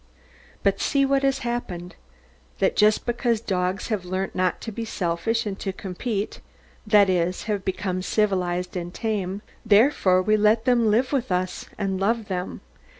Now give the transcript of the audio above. But see what has happened that just because dogs have learnt not to be selfish and to compete that is, have become civilised and tame therefore we let them live with us, and love them.